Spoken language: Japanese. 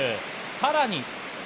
さらに。